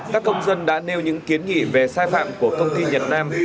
các công dân đã nêu những kiến nghị về sai phạm của công ty nhật nam